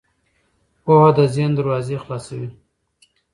پوهه د ذهن دروازې خلاصوي.